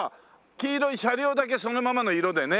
黄色い車両だけそのままの色でね。